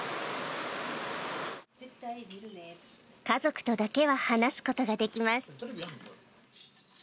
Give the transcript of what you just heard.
家族とだけは話すことができます。